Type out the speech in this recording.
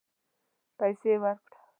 پیسې ورکړه